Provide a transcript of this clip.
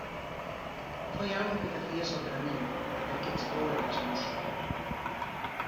Foi algo que facía só para min, até que chegou o Erasmus.